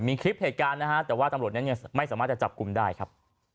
มีคลิปเหตุการณ์นะฮะแต่ว่าตำรวจนั้นยังไม่สามารถจะจับกลุ่มได้ครับ